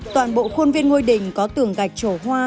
toàn bộ khuôn viên ngôi đình có tường gạch trổ hoa